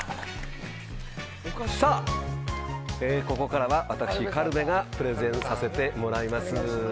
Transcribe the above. さあここからは私、軽部がプレゼンさせてもらいます。